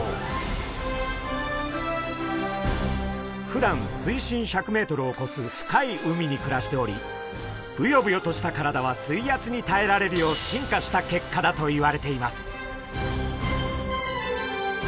ふだん水深１００ｍをこす深い海に暮らしておりブヨブヨとした体は水圧にたえられるよう進化した結果だといわれています。